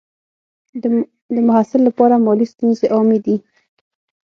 د محصل لپاره مالي ستونزې عامې دي.